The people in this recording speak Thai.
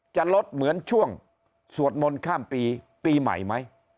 จะลดเหมือนช่วงสวดมนต์ข้ามปีปีใหม่ไหม